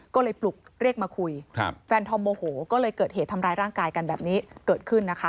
ก็เลยปลุกเรียกมาคุยแฟนธอมโมโหก็เลยเกิดเหตุทำร้ายร่างกายกันแบบนี้เกิดขึ้นนะคะ